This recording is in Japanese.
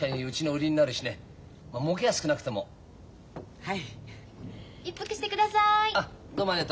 はい！